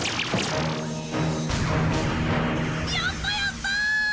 やったやったー！